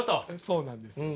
そうなんですよ。